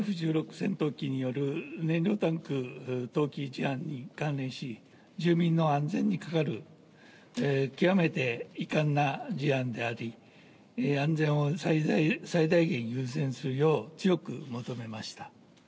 戦闘機による、燃料タンク投棄事案に関連し、住民の安全にかかわる極めて遺憾な事案であり、安全を最大限優先するよう強く求めました。